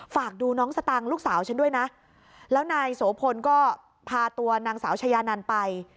ฝากดูน้องสตางค์ลูกสาวฉันด้วยนะแล้วนายโสพลก็พาตัวนางสาวชายานันไป